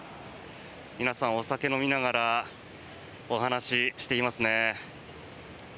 皆さん、お酒を飲みながらお話ししていますね。